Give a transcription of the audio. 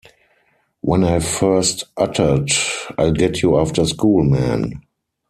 When I first uttered, 'I'll get you after school, man!